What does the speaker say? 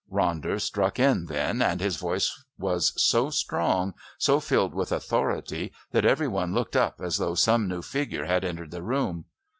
Ronder struck in then, and his voice was so strong, so filled with authority, that every one looked up as though some new figure had entered the room.